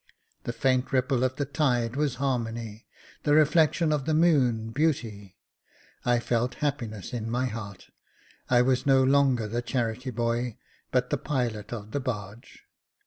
The faint ripple of the tide was harmony, the reflection of the moon, beauty ; I felt happiness in my heart , I was no longer the charity boy, but the pilot of the barge.